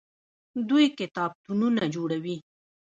دوی کتابتونونه جوړوي.